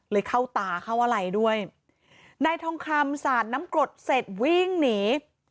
เข้าตาเข้าอะไรด้วยนายทองคำสาดน้ำกรดเสร็จวิ่งหนี